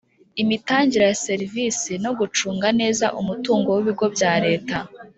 imitangire ya serivisi no gucunga neza umutungo w ibigo bya Leta